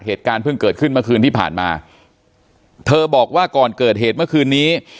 เหตุการณ์เพิ่งเกิดขึ้นเมื่อคืนที่ผ่านมาเธอบอกว่าก่อนเกิดเหตุเมื่อคืนนี้